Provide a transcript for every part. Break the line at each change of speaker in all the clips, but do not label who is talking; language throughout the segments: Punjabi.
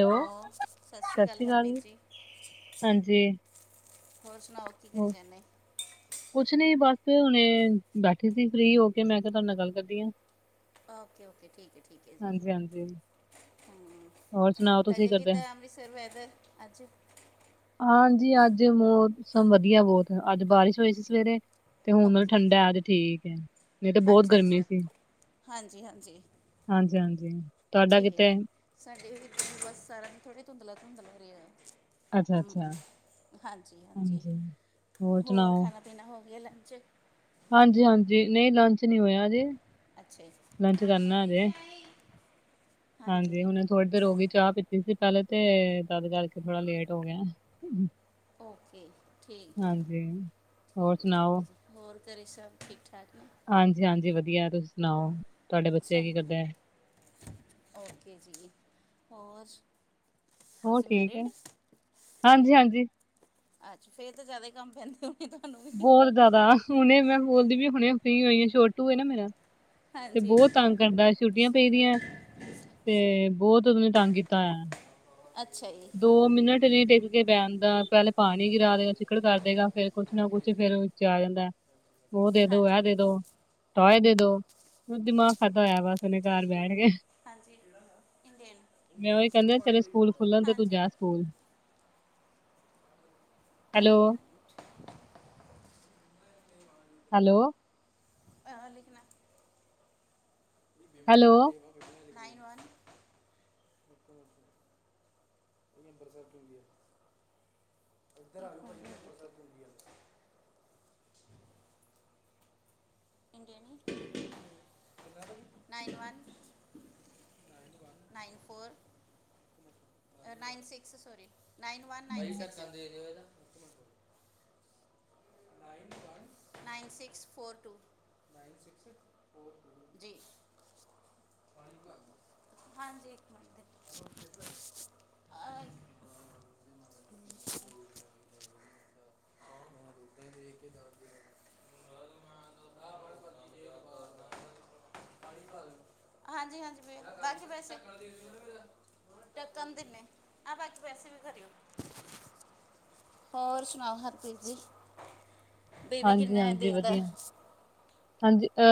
ਹੈਲੋ
ਸਤਿ
ਸਾਸ੍ਰੀਕਾਲ
ਸ੍ਰੀ
ਹਰਮੀਤ
ਅਕਾਲ
ਜੀ।
ਜੀ।
ਹੋਰ ਸੁਣਾਓ, ਕੀ ਕਰੀ
ਹੋਰ
ਜਾਂਨੇ?
ਕੁਛ ਨੀ ਬਸ ਹੁਣੇ ਬੈਠੇ ਸੀ ਫਰੀ ਹੋ ਕੇ ਮੈਂ ਕਿਹਾ ਤੁਹਾਡੇ ਨਾਲ ਗੱਲ ਕਰਦੀ ਹਾਂ।
ਓਕੇ-ਓਕੇ ਠੀਕ ਏ, ਠੀਕ ਏ ਜੀ।
ਹਾਂਜੀ-ਹਾਂਜੀ। ਹੋਰ ਸੁਣਾਓ ਤੁਸੀਂ
ਤੁਹਾਡੇ
ਕਰਦੇ?
ਕਿੱਦਾਂ ਅੰਮ੍ਰਿਤਸਰ ਵੈਦਰ ਅੱਜ?
ਹਾਂਜੀ ਅੱਜ ਮੌਸਮ ਵਧੀਆ ਬੌਤ, ਅੱਜ ਬਾਰਿਸ਼ ਹੋਈ ਸੀ ਸਵੇਰੇ। ਤੇ ਹੁਣ ਮਲਬ
ਓਕੇ
ਠੰਡਾ ਆਜ ਠੀਕ ਏ, ਨਈਂ ਤੇ ਬੌਤ
ਅੱਛਾ
ਗਰਮੀ
ਅੱਛਾ
ਸੀ।
ਹਾਂਜੀ ਹਾਂਜੀ
ਹਾਂਜੀ-ਹਾਂਜੀ! ਤੁਹਾਡਾ
ਠੀਕ
ਕਿਤੇ
ਸਾਡੇ [unintelligible] ਬਸ ਸੜਕ ਥੋੜ੍ਹੇ ਧੁੰਦਲਾ-ਧੁੰਦਲਾ ਰਿਐ। ਹੂੰ,
ਅੱਛਾ-ਅੱਛਾ
ਹਾਂਜੀ-ਹਾਂਜੀ!
ਹਾਂਜੀ
ਹੋਰ ਖਾਣਾ ਪੀਣਾ ਹੋ ਗਿਆ ਲੰਚ?
ਹਾਂਜੀ-ਹਾਂਜੀ, ਨਈ ਲੰਚ ਨੀ ਹੋਇਆ ਹਜੇ।
ਅੱਛਾ ਜੀ
ਲੰਚ ਕਰਨਾ ਹਜੇ, ਹਾਂਜੀ ਹੋਨੇ ਥੋੜੀ ਦੇਰ ਹੋ ਗੀ, ਚਾ ਪੀਤੀ ਸੀ ਪੈਲੇ ਤੇ ਤਦ ਕਰਕੇ ਥੋੜਾ ਲੇਟ ਹੋ ਗਿਆ।
ਓਕੇ, ਠੀਕ ਐ।
ਹਾਂਜੀ, ਹੋਰ
ਠੀਕ ਐ-ਠੀਕ
ਸੁਣਾਓ?
ਐ ਠੀਕ। ਹੋਰ ਘਰੇ ਸਭ ਠੀਕ ਠਾਕ ਨੇ?
ਹਾਂਜੀ-ਹਾਂਜੀ ਵਧੀਆ, ਤੁਸੀਂ ਸੁਣਾਓ? ਤੁਹਾਡੇ ਬੱਚੇ
ਸਲੈ
ਕੀ ਕਰਦੇ ਐ?
ਓਕੇ ਜੀ, ਹੋਰ।
ਹੋਰ
ਤੁਸੀਂ
ਠੀਕ ਐ,
ਮੈਰਿਡ?
ਹਾਂਜੀ-ਹਾਂਜੀ।
ਅੱਛਾ ਫੇਰ ਤੇ ਜਾਦਾ ਈ ਕੰਮ ਪੈਂਦੇ ਹੋ ਣੇ ਤੁਹਾਨੂੰ ਵੀ।
ਬਹੁਤ ਜ਼ਿਆਦਾ ਹੁਣੇ ਮੈਂ ਬੋਲਦੀ ਵੀ, ਹੁਣੇ ਫਰੀ ਹੋਈ ਛੋਟੂ ਏ ਨਾ ਮੇਰਾ। ਤੇ
ਹਾਂਜੀ
ਬੌਤ ਤੰਗ ਕਰਦਾ ਛੁੱਟੀਆਂ ਪਈ
ਸਿਲੰਡਰ
ਦੀਆਂ ਤੇ ਬਹੁਤ ਓਨਾ ਨੇ ਤੰਗ ਕੀਤਾ ਹੋਯਾ।
ਅੱਛਾ ਜੀ।
ਦੋ ਮਿੰਨਟ ਨੀ ਟਿੱਕ ਕੇ ਬੈਦਾ, ਪੈਲੇ ਪਾਣੀ ਗਿਰਾ ਦੇਗਾ, ਚਿੱਕੜ ਕਰ ਦੇਗਾ ਫ਼ਿਰ ਕੁਛ ਨਾ ਕੁਛ ਫੇਰ ਓ ਆ ਜਾਂਦੈ। ਓ ਦੇ ਦੋ, ਐ
ਹਾਂਜੀ
ਦੇ ਦੋ, ਟੋਏ ਦੇ ਦੋ, ਦਿਮਾਗ ਖਾਦਾ ਹੋਇਆ ਬਸ। ਉਹਨੇ ਘਰ
ਠੀਕ
ਬੈਠ
ਏ
ਕੇ,
ਜੀ, ਹਾਂਜੀ ਇੰਡੇਨ।
ਦੇ ਤੂੰ ਜਾ school, hello. Hello.
[unintelligible]
Hello.
Nine one ਏ ਪ੍ਰੋਸੈਸਟ ਹੁੰਦੀ ਐ। [inaudible] ਇੰਡੀਅਨ ਈ, nine one. Nine four nine six sorry. Nine one nine six,
ਹੂੰ,
ਭਾਈਜੀ ਢਕਣ ਦੇ ਦੇਓ ਏਦਾਂ। Nine one nine six four two, ਜੀ। ਹਾਂਜੀ, ਇੱਕ ਮਿੰਟ, ਅ [inaudible] ਹਾਂਜੀ ਹਾਂਜੀ, ਬਾਕੀ ਵੈਸੇ ਤਕਨ ਦਿੰਨੇ ਆ ਬਾਕੀ [unintelligible] ਹੋਰ ਸੁਣਾਓ ਹਰਪ੍ਰੀਤ ਜੀ ਬੀਬੀ ਕਿੰਨਾ ਅ
ਹਾਂਜੀ-ਹਾਂਜੀ
ਦੇਰ ਦੈ?
ਵਧੀਆ ਹਾਂਜੀ ਅ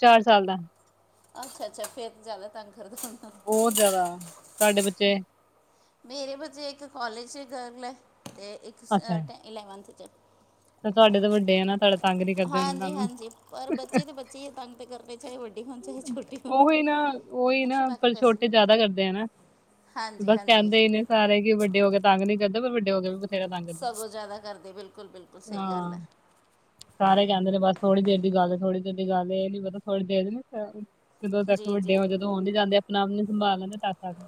ਚਾਰ ਸਾਲ ਦਾ।
ਅੱਛਾ-ਅੱਛਾ ਫੇਰ ਤਾਂ ਜਾਦਾ ਤੰਗ ਕਰਦਾ [unintelligible]
ਬੋ ਜਾਦਾ ਤੁਹਾਡੇ ਬੱਚੇ
ਮੇਰੇ ਬੱਚੇ ਇੱਕ ਕੋਲਜ ਚ ਗਰਲ ਐ ਤੇ ਇੱਕ ਸ ਟ ਇਲੈਵੰਥ ਚ।
ਤਾਂ ਤੁਹਾਡੇ ਤਾਂ ਵੱਡੇ ਆ ਨਾ ਤੁਹਾਡੇ ਤੰਗ ਨੀ ਕਰਦੇ ਹੋਣੇ ਤੁਹਾਨੂੰ
ਹਾਂਜੀ-ਹਾਂਜੀ ਪਰ ਬੱਚੇ ਤੇ ਬੱਚੇ ਈ ਐ ਤੰਗ ਤੇ ਕਰਦੇ ਚਾਹੇ ਵੱ ਡੇ ਹੋਣ ਚਾਹੇ ਛੋਟੇ ਹੋਣ
ਉਹੀ ਨਾ ਉਹੀ
ਲਕਸ਼
ਨਾ ਪਰ ਛੋਟੇ
[unintelligible] ਹਾਂਜੀ-ਹਾਂਜੀ।
ਕੈਂਦੇ ਨੇ ਸਾਰੇ ਕੀ ਵੱਡੇ ਹੋ ਗਏ ਤੰਗ ਨੀ ਕਰਦੇ ਵੱਡੇ ਹੋ [unintelligible] ਆ।
ਸਗੋਂ ਜਾਦਾ ਕਰਦੇ ਬਿਲਕੁੱਲ-ਬਿਲਕੁੱਲ ਸਈ ਗੱਲ
ਹਾਂ
ਐ।
ਸਾਰੇ ਕੈਂਦੇ ਨੇ ਬਸ ਥੋੜ੍ਹੀ ਦੇਰ ਦੀ ਗੱਲ ਐ ਥੋੜ੍ਹੀ ਦੇਰ ਦੀ ਗੱਲ ਏ ਨੀ ਪਤਾ ਥੋੜੀ ਦੇਰ ਨੂੰ ਜਦੋਂ ਤੱਕ
ਜੀ ਜੀ
ਵੱਡੇ ਹੋ ਜਦੋਂ ਔਂਦੇ ਜਾਂਦੇ ਆ ਅਪਣਾ ਆਪ ਨੂੰ ਸੰਭਾਲ ਲੈਂਦੇ ਤ ਤੱਕ।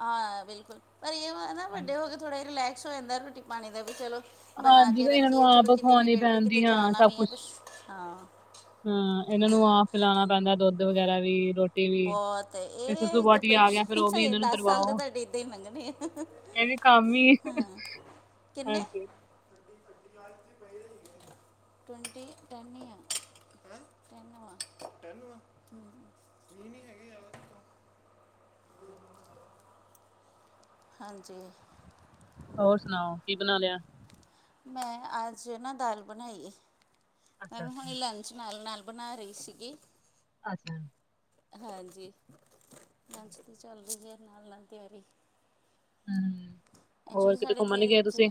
ਹਾਂ ਬਿਲਕੁਲ ਪਰ ਏ ਨਾ ਵੱਡੇ ਹੋ ਕੇ ਥੋੜ੍ਹਾ ਰਿਲੈਕਸ ਹੋ ਜਾਂਦਾ ਰੋਟੀ ਪਾਣੀ ਦਾ ਵੀ ਚਲੋ ਬਣਾ
ਹਾਂਜੀ
ਕੇ
ਫਿਰ ਇਹਨਾਂ ਨੂੰ
ਰੱਖੀਏ
ਆਪ
ਚਲੋ ਕਿਤੇ
ਖਵਾਉਣੀ
ਇਮੀਡੇਟ ਲਈ ਕਿਤੇ
ਪੈਂਦੀ ਹਾਂ
ਜਾਣਾ ਵੀ ਐ ਤਾਂ ਹਾਂ।
ਹੂੰ ਏਨਾਂ ਨੂੰ ਆਪ ਪਿਲਾਣਾ ਪੈਂਦਾ ਦੁੱਧ ਵਗੈਰਾ ਵੀ ਰੋ
ਬੋਤ ਏਹ ਪ੍ਰਿਕਸ਼
ਗਿਆ ਫਿਰ ਉਹ ਵੀ ਇਹਨਾਂ ਨੂੰ
ਦੱਸ ਸਾਲ ਦੇ ਤੁਹਾਡੇ ਏਦਾਂ ਈ ਲੰਘਣੇ ਆ।
ਏਵੀ ਕੰਮ ਈ
ਹਾਂ ਕਿੰਨੇ
ਹਾਂਜੀ।
[inaudible] ਟਵੈਂਟੀ ਟੈਨ ਆ ਹੈਂ ਟੈਂਨ ਵਾਂ ਟਨ ਵਾਂ। [unintelligible] [inaudible] ਹਾਂਜੀ।
ਹੋਰ ਸੁਣਾਓ ਕੀ ਬਣਾ ਲਿਆ।
ਮੈਂ ਅੱਜ ਨਾ ਦਾਲ ਬਣਾਈ ਏ ਮੈਂ
ਅੱਛਾ
ਵੇਂ
ਅੱਛਾ
ਹੁਣੀ ਲੰ ਚ ਨਾਲ-ਨਾਲ ਬਣਾ ਰੀ ਸੀਗੀ।
ਅੱਛਾ।
ਹਾਂਜੀ ਲੰਚ ਦੀ ਚੱਲ ਰੀਐ ਨਾਲ-ਨਾਲ ਤਿਆਰੀ।
ਹੂੰ ਹੋਰ
ਐਕਚੁਅਲੀ
ਕਿਤੇ
ਸਾਡੇ
ਘੁੰਮਣ ਨੀ
ਇੱਥੇ
ਗਏ
ਜ-
ਤੁਸੀਂ।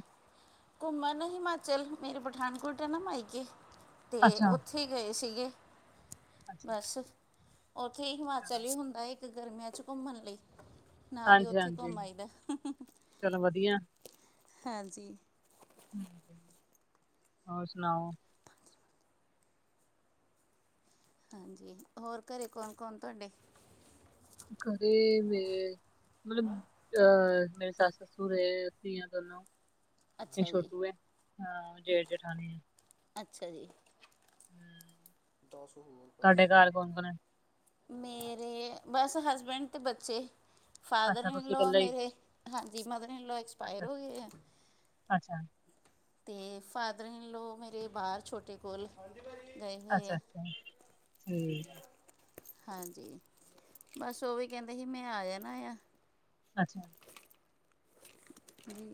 ਘੁੰਮਣ ਨੂੰ ਹਿਮਾਚਲ ਮੇਰੇ ਪਠਾਨਕੋਟ ਐ ਨਾ ਮਾਈਕੇ ਤੇ
ਅੱਛਾ
ਉੱਥੇ ਥੇ ਗਏ ਸੀਗੇ
ਅੱਛਾ ਅੱਛਾ,
ਬਸ ਓਥੇ ਈ
ਚਲੋ
ਹਿਮਾਚਲ ਈ ਹੁੰਦਾ ਏ। ਤੇ ਗਰਮੀਆਂ ਚ ਘੁੰਮਣ ਲਈ ਨਾਲ ਈ
ਹਾਂਜੀ
ਓਥੇ
ਹਾਂਜੀ
ਘੁੰਮ ਆਈਦਾ।
ਚਲੋ ਵਧੀਆ।
ਹਾਂਜੀ।
ਹੋਰ ਸੁਣਾਓ?
ਹਾਂਜੀ ਹੋਰ ਘਰੇ ਕੌਣ-ਕੌਣ ਤੁਹਾਡੇ?
ਘਰੇੇ ਮੇ ਮਤਲਬ ਅ ਮੇਰੇ ਸੱ ਸਸੁਰ ਏ, ਅਸੀਂ ਆ ਦੋਨੋ, ਏ
ਅੱਛਾ ਜੀ
ਛੋਟੂ ਐ ਹਾਂ, ਜੇਠ ਜੇਠਾਣੀ ਐ।
ਅੱਛਾ ਜੀ।
ਹਮ,
[unintelligible]
[unintelligible]
ਮੇਰੇ ਬਸ ਹਸਬੈਂਡ ਤੇ ਬੱਚੇ। ਫਾਦਰ
ਅੱਛਾ ਤੁਸੀਂ
ਇਨਲੋ
ਇਕੱਲੇ ਹੀ
ਮੇਰੇ ਹਾਂਜੀ ਮਦਰ ਇਨ ਲੌ
ਅੱਛਾ
ਐਕਸਪਾਇਰ
ਅੱਛਾ
ਹੋ ਗਏ ਐ।
ਅੱਛਾ।
ਤੇ, ਫਾਦਰ ਈਨ ਲੋ ਮੇਰੇ ਬਾਹਰ ਛੋਟੇ ਫੂਲ, ਗਏ ਹੋਏ ਆ।
ਅੱਛਾ-ਅੱਛਾ ਠੀਕ ਐ,
ਹਾਂਜੀ, ਬਸ ਉਹ ਵੀ ਕਹਿੰਦੇ ਹੀ, ਮੈਂ ਆਇਆ ਨਾ ਯਾ।
ਅੱਛਾ।
ਹੂੰ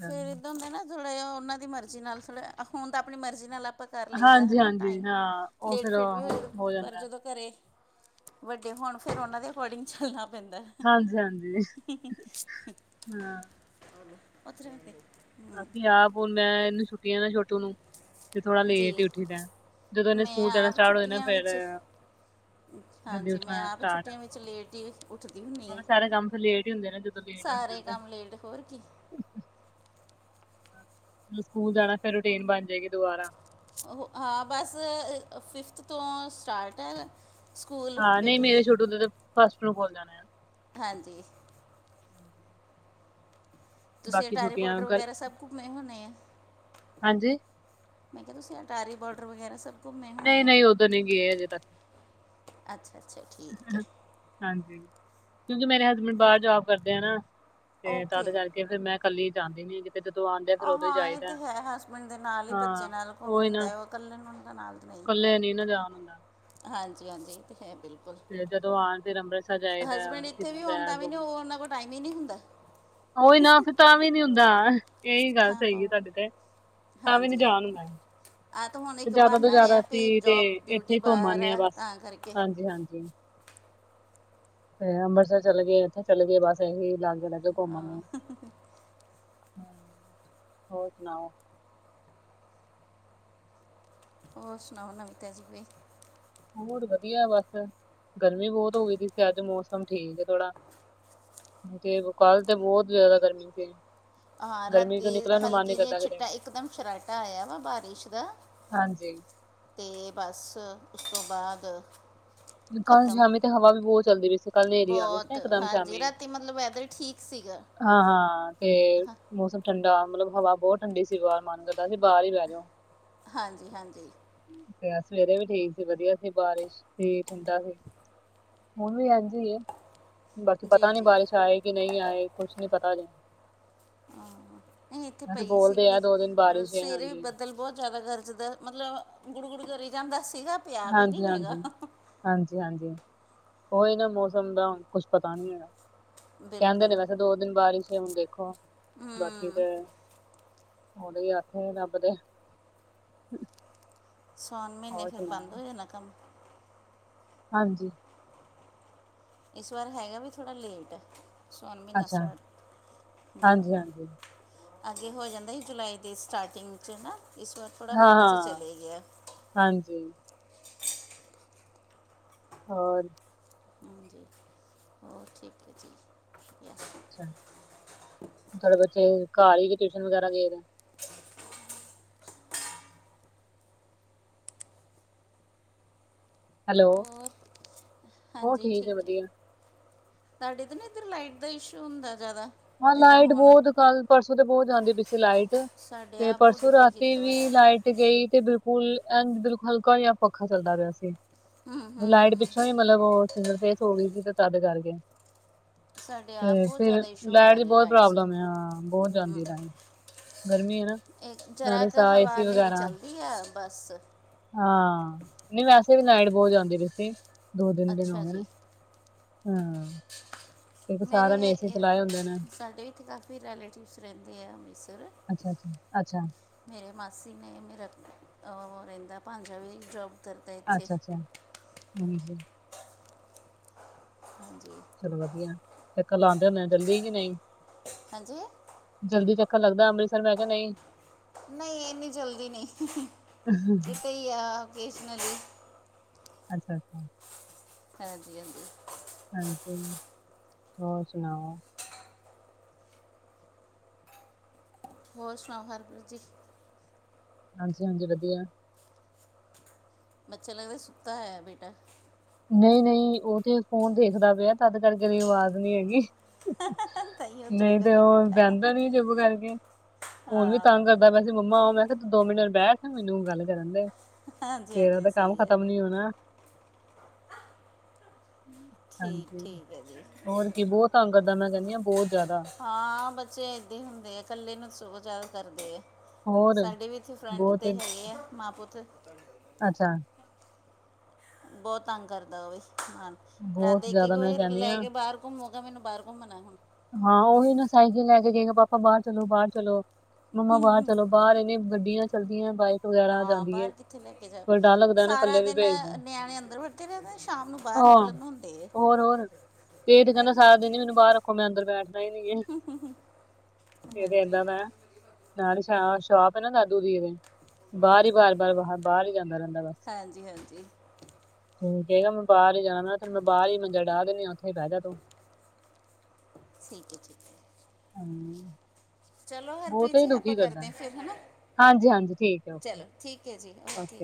ਫੇਰ ਏਦਾਂ ਹੁੰਦਾ ਨਾ ਥੋੜ੍ਹਾ ਜਾ, ਉਹਨਾਂ ਦੀ ਮਰਜ਼ੀ ਨਾਲ ਥੋੜਾ ਹੁਣ ਤਾਂ ਆਪਣੀ ਮਰਜ਼ੀ ਨਾਲ ਆਪਾਂ ਕਰ ਲਈਦਾ ਹਨਾ
ਹਾਂਜੀ-ਹਾਂਜੀ
ਟਾਈਮ,
ਹਾਂ ਉਹ ਫੇਰ
ਲੇਟ-ਫੇਟ ਵੀ
ਹੋ
ਹੋਜੇ,
ਹੋ
ਪਰ
ਜਾਂਦਾ
ਜਦੋ ਘਰੇ ਵੱਡੇ ਹੋਣ, ਫਿਰ ਉਹਨਾਂ ਦੇ ਅਕੋਰਡਿੰਗ ਚੱਲਣਾ ਪੈਂਦਾ।
ਹਾਂਜੀ-ਹਾਂਜੀ, ਹਾਂ।
ਉੱਥੇ ਰਖਦੇ।
ਅਸੀ ਆਪ ਹੁਣ ਮੈਂ, ਇਹਨੂੰ ਛੁੱਟੀਆਂ ਨੇ ਛੋਟੂ ਨੂੰ। ਤੇ ਥੋੜਾ ਲੇਟ
ਜੀ
ਈ ਉੱਠੀਦਾ, ਜਦੋਂ ਇਹਨੇ
ਮੈਂ
ਸਕੂਲ ਜਾਣਾ
ਆਪ
ਸਟਾਰਟ ਹੋ ਜਾਨਾ
ਛੁੱਟੀਆਂ
ਫਿਰ
ਵਿੱਚ
ਜਲਦੀ
ਹਾਂਜੀ
ਉੱਠਣਾ
ਮੈਂ ਆਪ
ਸਟਾਰਟ,
ਛੁੱਟੀਆਂ ਵਿੱਚ ਲੇਟ ਹੀ ਉੱਠਦੀ ਹੁੰਦੀ ਹਾਂ
ਮਤਲਬ ਸਾਰੇ ਕੰਮ ਫਿਰ ਲੇਟ ਈ ਹੁੰਦੇ ਨੇ, ਜ
ਸਾਰੇ ਕੰਮ ਲੇਟ, ਹੋਰ ਕੀ।
ਜਦ ਸਕੂਲ ਜਾਣਾ, ਫਿਰ ਰੂਟੀਨ ਬਣਜੇਗੀ ਦੁਬਾਰਾ।
ਉਹ, ਹਾਂ, ਬਸ ਫਿਫਥ ਤੋਂ ਸਟਾਰਟ ਐ।
ਹਾਂ, ਨਹੀਂ ਮੇਰੇ ਛੋਟੂ ਦੇ ਤੇ ਫਸਟ ਨੂੰ ਖੁਲ ਜਾਣੇ ਆ।
ਹਾਂਜੀ। ਤੁਸੀਂ
ਬਾਕੀ
ਅਟਾਰੀ
ਛੁੱਟੀਆਂ
ਬੋਰਡਰ
ਕਰ
ਵਗੈਰਾ ਸਭ ਘੁੰਮੇ ਹੋਨੇ ਆ?
ਹਾਂਜੀ?
ਮੈਂ ਕਿਹਾ, ਤੁਸੀਂ ਅਟਾਰੀ ਬੋਡਰ ਵਗੈਰਾ ਸਭ ਘੁੰਮੇ ਹੋਣੇ
ਨਹੀਂ-ਨਹੀਂ, ਓਧਰ ਨੀ ਗਏ ਅਜੇ ਤੱਕ।
ਅੱਛਾ-ਅੱਛਾ ਠੀਕ ਐ।
ਹਾਂਜੀ, ਕਿਉਂਕਿ ਮੇਰੇ ਹਸਬੈਂਡ ਬਾਹਰ ਜੋਬ ਕਰਦੇ ਆ ਨਾ, ਤੇ ਤਦ
ਓਕੇ
ਕਰ ਫਿਰ ਮੈਂ ਕੱਲੀ ਜਾਂਦੀ ਨੀ ਕਿ
ਆਹ ਹਾਂ ਇਹ ਤੇ ਹੈ, ਹੇਸਬੈਂਡ ਦੇ ਨਾਲ ਈ ਬੱਚੇ
ਹਾਂ
ਨਾਲ ਘੁੰਮ
ਉਹੀ
ਹੁੰਦਾ
ਨਾ
ਏ, ਉਹ ਇਕੱਲੇ ਨੂੰ ਉਹ ਨਾਲ
ਕੱਲੇ ਨੀ ਨਾ ਜਾਣ ਹੁੰਦਾ।
ਹਾਂਜੀ-ਹਾਂਜੀ, ਏ ਤੇ ਹੈ ਬਿਲ
ਤੇ ਜਦੋਂ ਆਉਣ ਫਿਰ ਅੰਮ੍ਰਿਤਸਰ ਜਾਈਦਾ
ਹਸਬੈਂਡ ਇਥੇ
ਸ਼ਹੀਦਾਂ
ਵੀ ਹੋਣ ਤਾਂ
ਸਾਹਿਬ
ਵੀ ਨੀ ਓ, ਓਹਨਾਂ ਕੋਲ ਟਾਇਮ ਈ ਨੀ ਹੁੰਦਾ।
ਓਈ ਨਾ, ਫਿਰ ਤਾਂ ਵੀ ਨੀ ਹੁੰਦਾ, ਏਈ ਗੱਲ
ਹਾਂ
ਸਹੀ ਏ
ਪਾਓ
ਤੁਹਾਡੀ ਤੇ। ਤਾਂ ਵੀ ਨੀ
ਹਾਂਜੀ
ਜਾਣ ਹੋਣਾ,
ਆ ਤਾਂ ਹੁਣ
ਫਿਰ
ਇੱਕ
ਜਿਆਦਾ ਤੋਂ
ਬਹਾਨਾ
ਜਿਆਦਾ
ਹੈ ਵੀ
ਅਸੀਂ ਤੇ
ਜੌਬ ਡਿਊਟੀ
ਇੱਥੇ ਘੁੰਮ
ਬਾਹਰ
ਆਂਨੇ ਆ ਬਸ,
ਤਾਂ ਕਰਕੇ
ਹਾਂਜੀ-ਹਾਂਜੀ। ਤੇ ਅੰਮ੍ਰਿਤਸਰ ਚਲੇ ਗਏ, ਇੱਥੇ ਚਲ ਗਏ, ਬਸ ਇਹੀ ਲਾਗੇ-ਲਾਗੇ ਘੁੰਮ ਆਂਉਨੇ ਆ।
ਹਾਂ
ਹੋਰ ਸੁਣਾਓ?
ਹੋਰ ਸੁਣਾਓ, ਨਵੀ-ਤਾਜੀ ਕੋਈ?
ਹੋਰ ਵਧੀਆ ਬਸ, ਗਰਮੀ ਬਹੁਤ ਹੋ ਗਈ ਤ ਸੀ, ਇੱਥੇ ਅੱਜ ਮੌਸਮ ਠੀਕ ਏ ਥੋੜਾ। ਤੇ, ਕਲ ਤੇ ਬਹੁਤ ਜ਼ਿਆਦਾ ਗਰਮੀ ਸੀ।
ਹਾਂ,
ਗਰਮੀ
ਰਾਤੀ
ਤੋਂ ਨਿਕਲਣ ਨੂੰ ਮਨ ਨੀ
ਹਲਕੀ ਜੀਆ
ਕਰਦਾ ਕਿਤੇ
ਛਿੱਟਾ ਇਕਦਮ ਸ਼ਰਾਟਾ ਆਇਆ ਵਾ ਬਾਰਿਸ਼ ਦਾ।
ਹਾਂਜੀ।
ਤੇ ਬਸ, ਉਸ ਤੋਂ ਬਾਅਦ
ਕਲ ਸ਼ਾਮੀ ਤੇ, ਹਵਾ ਵੀ ਬਹੁਤ ਚੱਲਦੀ ਪਈ ਸੀ। ਕੱਲ ਹਨੇਰੀ ਆ ਗਈ ਸੀ ਨਾ
ਬੌਤ,
ਇਕਦਮ
ਹਾਂਜੀ,
ਸ਼ਾਮੀ
ਰਾਤੀ ਮਤਲਬ ਵੈਦਰ ਠੀਕ ਸੀਗਾ।
ਹਾਂ, ਤੇ
ਹਾਂ-
ਮੌਸਮ ਠੰਡਾ, ਮਤਲਬ ਹਵਾ ਬਹੁਤ ਠੰਡੀ ਸੀ ਬਾਹਰ ਮਨ ਕਰਦਾ ਸੀ, ਬਾਹਰ ਈ ਬਹਿਜੋ।
ਹਾਂਜੀ-ਹਾਂਜੀ।
ਤੇ ਅੱਜ ਸਵੇਰੇ ਵੀ ਠੀਕ ਸੀ, ਵਧੀਆ ਸੀ ਬਾਰਿਸ਼। ਸਵੇਰੇ ਠੰਡਾ ਸੀ, ਹੁਣ ਵੀ ਐਂਝ ਐ। ਬਾਕੀ
ਜੀ
ਪਤਾ ਨਹੀਂ
ਜੀ
ਬਾਰਿਸ਼ ਆਏ ਕਿ ਨਹੀਂ ਆਏ ਕੁਛ ਨਹੀਂ ਪਤਾ ਹਜੇ।
ਹਾਂ, ਨਹੀਂ ਇੱਥੇ
ਵੈਸੇ
ਪਈ
ਬੋਲਦੇ ਆ
ਸੀਗੀ
ਦੋ ਦਿਨ
ਪਰ
ਬਾਰਿਸ਼ ਹੈ
ਸਵੇਰੇ ਵੀ
ਹਾਂਜੀ
ਬੱਦਲ ਬਹੁਤ ਜ਼ਿਆਦਾ ਗਰਜਦਾ ਮਤਲਬ ਗੁੜੂ ਗੁੜੂ ਕਰੀ ਜਾਂਦਾ ਸੀਗਾ। ਪਿਆ ਵੀ
ਹਾਂਜੀ
ਨਹੀਂ ਹੈਗਾ
ਹਾਂਜੀ। ਹਾਂਜੀ ਹਾਂਜੀ, ਉਹੀ ਨਾ ਮੌਸਮ ਦਾ ਹੁਣ ਕੁਛ ਪਤਾ ਨਹੀਂ ਹੈਗਾ। ਕਹਿੰਦੇ ਨੇ
ਬਿਲਕੁਲ
ਵੈਸੇ ਦੋ ਦਿਨ ਬਾਰਿਸ਼ ਹੁਣ ਦੇਖੋ, ਬਾਕੀ
ਹਮ
ਤੇ ਉਹਦੇ ਹੀ ਹੱਥ ਏ ਰੱਬ ਦੇ।
ਸੌਣ ਮਹੀਨੇ
ਹੋਰ
ਫਿਰ
ਸੁਣਾ
ਬੰਦ ਹੋ ਜਾਣਾ ਕੰਮ।
ਹਾਂਜੀ।
ਇਸ ਵਾਰ ਹੈਗਾ ਵੀ ਥੋੜ੍ਹਾ ਲੇਟ ਆ। ਸੌਣ ਮਹੀਨਾ
ਅੱਛਾ
ਸਟਾਟ
ਹਾਂਜੀ
ਹੂੰ।
ਹਾਂਜੀ
ਅੱਗੇ ਹੋ ਜਾਂਦਾ ਸੀ ਜੁਲਾਈ ਦੇ ਸਟਾਰਟਿੰਗ ਚ ਨਾ, ਇਸ ਵਾਰ ਥੋੜ੍ਹਾ
ਹਾਂ
ਮਿਡ ਚ
ਹਾਂ
ਚਲੇ ਗਿਆ।
ਹਾਂਜੀ। ਹੋਰ?
ਹਾਂਜੀ। ਹੋਰ ਠੀਕ ਐ ਜੀ।
ਅੱਛਾ, ਤੁਹਾਡੇ ਬੱਚੇ ਘਰ ਹੀ ਕਿ ਟਿਊਸ਼ਨ ਵਗੈਰਾ ਗਏ ਆ? ਹੈਲੋ।
ਹੋਰ
ਉਹ
ਹਾਂਜੀ
ਹੈ
ਠੀਕ ਐ,
ਵਧੀਆ
ਤੁਹਾਡੇ ਤੇ ਨੀ ਇੱਧਰ ਲਾਈਟ ਦਾ ਇਸ਼ੂ ਹੁੰਦਾ ਜ਼ਿਆਦਾ।
ਹਾਂ
ਜਿੱਦਾਂ
ਲਾਈਟ
ਹੁਣ
ਬਹੁਤ ਕੱਲ ਪਰਸੋਂ ਤੇ ਬਹੁਤ ਜਾਂਦੀ ਪਈ ਸੀ ਲਾਈਟ।
ਸਾਡੇ
ਤੇ
ਆ ਬਹੁਤ
ਪਰਸੋਂ
ਦੁਖੀ
ਰਾਤੀ
ਕੀਤਾ
ਵੀ ਲਾਈ
ਹੋਇਆ
ਲਾਈਟ ਗਈ ਤੇ ਬਿਲਕੁਲ ਐ ਬਿਲਕੁਲ ਹਲਕਾ ਜਿਆ ਪੱਖਾ ਚੱਲਦਾ ਪਿਆ ਸੀ। ਲਾਈਟ ਪਿੱਛੋਂ ਹੀ ਮਤਲਬ ਉਹ ਸਿੰਗਲ ਫੇਸ ਹੋ ਗਈ ਸੀ ਤੇ ਤਦ ਕਰਕੇ।
ਸਾਡੇ ਆਪ
ਤੇ
ਬਹੁਤ
ਫਿਰ
ਜ਼ਿਆਦਾ ਇਸ਼ੂ
ਲਾਈਟ
ਆ
ਦੀ
ਰਿਹਾ
ਬਹੁਤ
ਲਾਈਟਸ ਦਾ
ਪ੍ਰੋਬਲਮ ਆ ਬਹੁਤ
ਹੂੰ।
ਜਾਂਦੀ ਲਾਈਟ ਗਰਮੀ ਹੈ ਨਾ
ਏ ਜ਼ਰਾ
ਨਾਲੇ
ਕ
ਸਾਹ
ਹਵਾ
ਏਸੀ
ਹਨੇਰੀ
ਵਗੈਰਾ
ਚਲਦੀ ਆ ਬਸ।
ਹਾਂ, ਨਹੀਂ ਵੈਸੇ ਵੀ ਲਾਈਟ ਬਹੁਤ ਜਾਂਦੀ ਪਾਈ ਸੀ। ਦੋ-ਤਿੰਨ ਦਿਨ ਹੋ
ਅੱਛਾ
ਗਏ
ਜੀ
ਹਾਂ। ਕਿਉਂਕਿ ਸਾਰਿਆਂ ਨੇ
ਮੇਰੇ,
ਏਸੀ ਚਲਾਏ ਹੁੰਦੇ ਨੇ
ਸਾਡੇ ਵੀ ਇੱਥੇ ਕਾਫੀ ਰੈਲੇਟਿਵਸ ਰਹਿੰਦੇ ਆ ਅੰਮ੍ਰਿਤਸਰ।
ਅੱਛਾ ਅੱਛਾ ਅੱਛਾ।
ਮੇਰੇ ਮਾਸੀ ਨੇ, ਮੇਰਾ ਓ ਰਹਿੰਦਾ ਭਾਣਜਾ ਵੀ ਜੋਬ
ਅੱਛਾ ਅੱਛਾ ਹਾਂਜੀ।
ਹਾਂਜੀ।
ਚਲੋ ਵਧੀਆ, ਚੱਕਰ ਲਉਂਦੇ ਹੁੰਦੇ ਓ ਜਲਦੀ ਕਿ ਨਹੀਂ?
ਹਾਂਜੀ?
ਜਲਦੀ ਚੱਕਰ ਲੱਗਦਾ ਅੰਮ੍ਰਿਤਸਰ ਮੈਂ ਕਿਆ ਨਹੀਂ?
ਨਹੀਂ ਇੰਨੀ ਜਲਦੀ ਨਹੀਂ, ਕਿਤੇ ਆ ਕੇਸਨਲੀ।
ਅੱਛਾ ਅੱਛਾ।
ਹਾਂਜੀ ਹਾਂਜੀ।
ਹਾਂਜੀ, ਹੋਰ ਸੁਣਾਓ?
ਹੋਰ ਸੁਣਾਓ ਹਰਪ੍ਰੀਤ ਜੀ?
ਹਾਂਜੀ ਹਾਂਜੀ ਵਧੀਆ।
ਬੱਚੇ ਲੱਗਦਾ ਸੁੱਤਾ ਹੋਇਆ ਬੇਟਾ?
ਨਹੀਂ-ਨਹੀਂ ਉਹ ਤੇੇ ਫ਼ੋਨ ਦੇਖਦਾ ਪਿਆ ਤਦ ਕਰਕੇ ਨੀ ਆਵਾਜ਼ ਨਹੀਂ ਹੈਗੀ।
ਤਾਈਓ ਚੁੱਪ
ਨਹੀਂ ਤੇ
ਕਰਕੇ
ਉਹ
ਬੈਠਾ
ਬਹਿੰਦਾ ਨੀ ਚੁਪ ਕਰਕੇ। ਹੁਣ ਵੀ ਤੰਗ
ਹਾਂ
ਕਰਦਾ ਪਿਆ ਵੈਸੇ ਮੰਮਾ ਆਓ ਮੈਂ ਕਿਹਾ ਤੂੰ ਬੈਠ ਦੋ ਮਿੰਟ ਬੈਠ ਮੈਨੂੰ ਗੱਲ ਕਰਨ ਦੇ।
ਹਾਂਜੀ
ਤੇਰਾ
ਹਾਂਜੀ
ਤਾਂ ਕੰਮ
ਸਹੀ ਹੈ
ਖਤਮ ਨੀ ਹੋਣਾ। ਹਾਂਜੀ।
ਠੀਕ-ਠੀਕ ਹੈ ਜੀ।
ਹੋਰ ਕੀ ਬਹੁਤ ਤੰਗ ਕਰਦਾ ਮੈਂ ਕਹਿੰਦੀ ਹਾਂ ਬਹੁਤ ਜ਼ਿਆਦਾ
ਹਾਂ ਬੱਚੇ ਇੱਦਾਂ ਹੀ ਹੁੰਦੇ ਆ ਇਕੱਲੇ ਨੂੰ ਸ ਜ਼ਿਆਦਾ ਕਰਦੇ ਹੈ।
ਹੋਰ
ਸਾਡੇ ਵੀ ਇੱਥੇ ਫਰੰਟ
ਬਹੁਤ
ਤੇ
ਹੀ-
ਹੈਗੇ ਆ ਮਾਂ ਪੁੱਤ।
ਅੱਛਾ।
ਬਹੁਤ ਤੰਗ ਕਰਦਾ ਉਹ ਵੀ ਹਾ ਰਾਤ
ਬਹੁਤ
ਦੇ ਇੱਕ-ਇੱਕ
ਜ਼ਿਆਦਾ ਮੈਂ
ਵਜੇ
ਕਹਿੰਦੀ
ਲੈ
ਹਾਂ
ਕੇ ਬਾਹਰ, ਘੁੰਮੂਗਾ ਮੈਨੂੰ ਬਾਹਰ ਘੁੰਮਣਾ,
ਹਾਂ ਉਹੀ ਨਾ ਸਾਈਕਲ ਲੈ ਕੇ ਕਹੇਗਾ ਪਾਪਾ ਬਾਹਰ ਚਲੋ ਬਾਹਰ ਚਲੋ। ਮੰਮਾ ਬਾਹਰ ਚਲੋ ਬਾਹਰ ਇਹਨੇ ਗੱਡੀਆਂ ਚੱਲਦੀਆਂ ਬਾਈਕ ਵਗੈਰਾ ਜਾਂ,
ਹਾਂ ਬਾਹਰ ਕਿੱਥੇ ਲੈ ਕੇ ਜਾਵੇ।
ਫੇਰ ਡਰ ਲੱਗਦਾ ਐ ਨਾ ਕੱਲੇ ਵੀ ਭੇਜਦੇ
ਅੰਦਰ ਬੈਠੇ ਰਹਿੰਦੇ ਸ਼ਾਮ ਨੂੰ ਬਾਹਰ
ਹਾਂ,
ਨਿਕਲਣ ਨੂੰ ਹੁੰਦੇ ਹੈ।
ਹੋਰ-ਹੋਰ। ਇਹ ਤੇ ਕਹਿੰਦਾ
ਹਾਂਜੀ
ਸਾਰਾ ਦਿਨ ਹੀ ਮੈਨੂੰ ਬਾਹਰ ਰੱਖੋ ਮੈਂ ਅੰਦਰ ਬੈਠਾ। ਨਹੀ ਬੈਠ ਦਾ ਮੈਂ, ਇਹਦੇ
ਹਾਂਜੀ
ਏਦਾਂ ਨਾਲ ਸ਼ੋਪ। ਪ ਨਾ ਦਾਦੂ ਦੀ ਵੇ ਬਾਹਰ ਹੀ ਬਾਰ-ਬਾਰ ਬਾਹਰ-ਬਾਹਰ ਹੀ ਜਾਂਦਾ ਰਹਿੰਦਾ ਬਸ।
ਹਾਂਜੀ ਹਾਂਜੀ
ਠੀਕ ਹੈਗਾ ਮੈਂ ਬਾਹਰ ਹੀ ਜਾਣਾ ਮੈਂ ਬਾਹਰ ਈ ਮੰਜਾ ਡਾਹ ਦਿੰਨਿਆ ਉੱਥੇ ਹੀ ਬਹਿ ਜਾ ਤੂੰ।
ਠੀਕ ਹੈ, ਠੀਕ ਹੈ।
ਹੂੰ।
ਚਲੋ ਹਰਪ੍ਰੀਤ ਜੀ ਆਪਾਂ ਕਰਦੇ ਹਾਂ ਫਿਰ ਹਨਾ।
ਹਾਂਜੀ ਹਾਂਜੀ ਠੀਕ ਹੈ ਓਕੇ
ਚਲੋ ਠੀਕ ਹੈ ਜੀ ਓਕੇ।